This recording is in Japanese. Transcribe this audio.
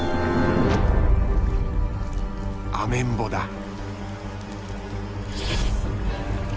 アメンボだ。